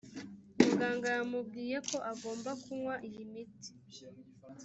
muganga yamubwiye ko agomba kunywa iyi imiti